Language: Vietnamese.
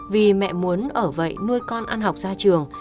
vì mẹ muốn ở vậy nuôi con ăn học ra trường